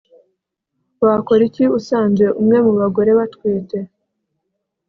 wakora iki usanze umwe mu bagore batwite